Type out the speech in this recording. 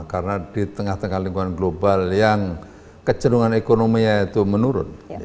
karena di tengah tengah lingkungan global yang kecerungan ekonominya itu menurun